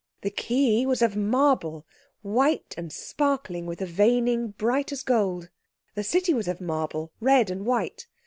The quay was of marble, white and sparkling with a veining bright as gold. The city was of marble, red and white.